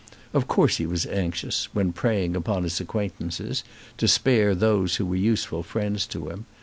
Of course he was anxious, when preying upon his acquaintances, to spare those who were useful friends to him.